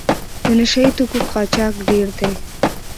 د نشه یي توکو قاچاق ډېر دی.